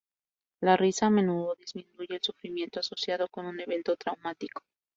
La risa a menudo disminuye el sufrimiento asociado con un evento traumático.